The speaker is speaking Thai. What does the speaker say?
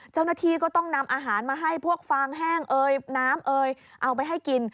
เจ้าหน้าที่ก็ต้องนำอาหารมาให้พวกฟางแห้งเอ่ยน้ำเอยเอาไปให้กิน